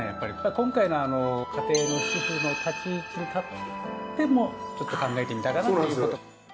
今回家庭の主婦の立ち位置に立ってもちょっと考えてみたかなということ。